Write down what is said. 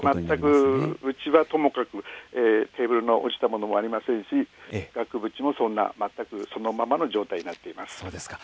全く、うちはともかく、テーブルの落ちたものもありませんし、額縁もそんな全く、そのままの状態になっています。